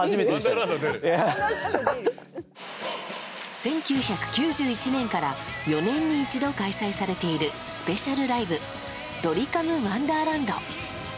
１９９１年から４年に一度開催されているスペシャルライブドリカムワンダーランド。